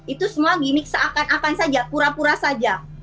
itu semua gimmick seakan akan saja pura pura saja